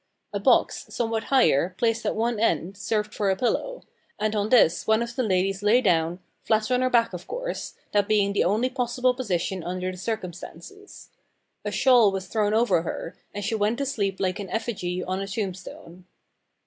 A box, somewhat higher, placed at one end, served for a pillow, and on this one of the ladies lay down, flat on her back of course, that being the only possible position under the circumstances. A shawl was thrown over her, and she went to sleep like an effigy on a tombstone.